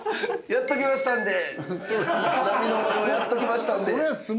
「やっときましたんで」。